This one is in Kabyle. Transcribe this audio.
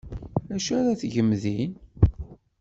D acu ara tgem din?